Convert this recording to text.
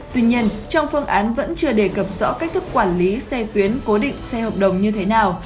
tuy nhiên trong phương án vẫn chưa đề cập rõ cách thức quản lý xe tuyến cố định xe hợp đồng như thế nào